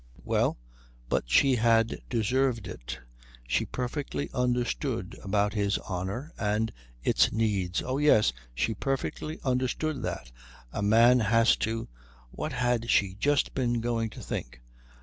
Well, but she had deserved it; she perfectly understood about his honour and its needs. Oh, yes, she perfectly understood that. A man has to what had she just been going to think?